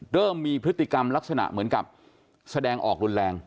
เริ่มมีพฤติกรรมลักษณะเหมือนกับแสดงออกรุนแรง